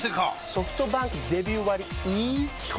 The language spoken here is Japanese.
ソフトバンクデビュー割イズ基本